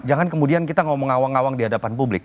jangan kemudian kita ngomong awang awang di hadapan publik